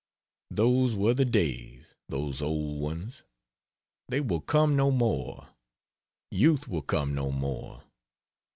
Those were the days! those old ones. They will come no more. Youth will come no more.